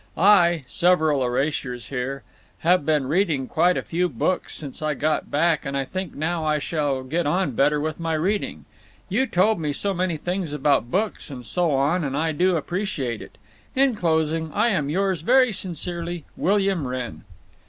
I [several erasures here] have been reading quite a few books since I got back & think now I shall get on better with my reading. You told me so many things about books & so on & I do appreciate it. In closing, I am yours very sincerely, WILLIAM WRENN.